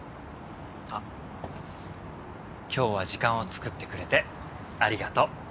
あっ今日は時間をつくってくれてありがとう。